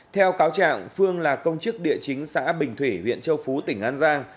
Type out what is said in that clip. theo cáo trạng phương là công chức địa chính xã bình thủy huyện châu phú tỉnh an giang